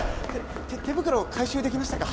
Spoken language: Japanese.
手手袋回収できましたか？